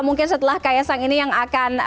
mungkin setelah kaya sang ini yang akan